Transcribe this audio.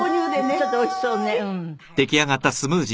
ちょっとおいしそうね。